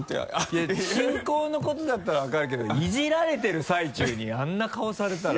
いや進行のことだったら分かるけどイジられてる最中にあんな顔されたら。